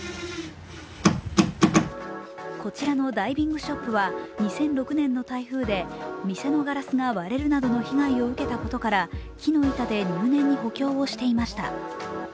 こちらのダイビングショップは２００６年の台風で店のガラスが割れるなどの被害を受けたことから木の板で入念に補強をしていました。